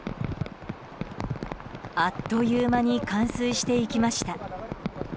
あっという間に冠水していきました。